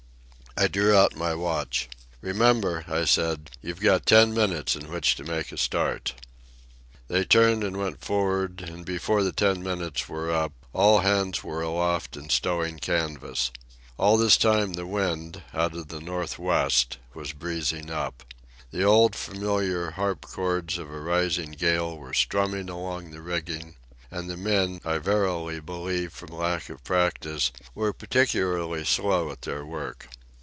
I drew out my watch. "Remember," I said, "you've ten minutes in which to make a start." They turned and went for'ard, and, before the ten minutes were up, all hands were aloft and stowing canvas. All this time the wind, out of the north west, was breezing up. The old familiar harp chords of a rising gale were strumming along the rigging, and the men, I verily believe from lack of practice, were particularly slow at their work.